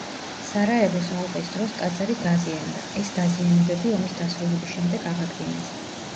სარაევოს ალყის დროს ტაძარი დაზიანდა, ეს დაზიანებები ომის დასრულების შემდეგ აღადგინეს.